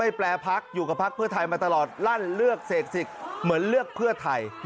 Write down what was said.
แปลพักอยู่กับพักเพื่อไทยมาตลอดลั่นเลือกเสกสิทธิ์เหมือนเลือกเพื่อไทย